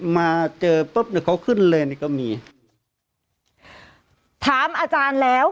ฮ่าฮ่าฮ่าฮ่าฮ่าฮ่าฮ่า